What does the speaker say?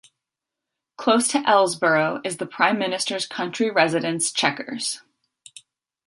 Close to Ellesborough is the Prime Minister's country residence Chequers.